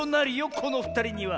このふたりには。